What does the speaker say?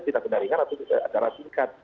tidak pernah ringan atau acara tingkat